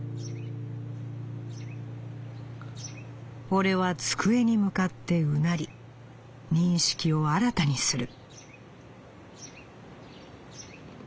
「俺は机に向かって唸り認識をあらたにする」。